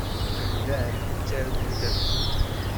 Llan ttargun tafsut.